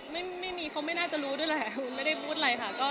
ไม่มีเขาไม่น่าจะรู้ด้วยแหละไม่ได้พูดอะไรค่ะ